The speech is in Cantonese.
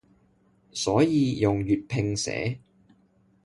所以用粵拼寫